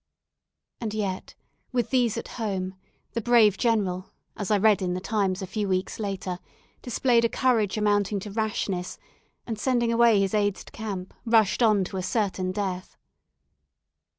And yet with these at home, the brave general as I read in the Times a few weeks later displayed a courage amounting to rashness, and, sending away his aides de camp, rushed on to a certain death.